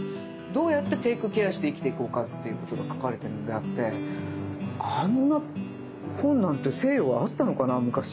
どうやってテイクケアして生きていこうかっていうことが書かれてるのであってあんな本なんて西洋あったのかな昔。